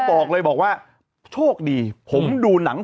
บอกเลยบอกว่าโชคดีผมดูหนัง